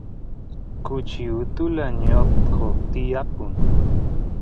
kuchi utula ñotqo tiyapun